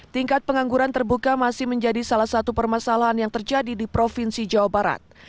tingkat pengangguran terbuka masih menjadi salah satu permasalahan yang terjadi di provinsi jawa barat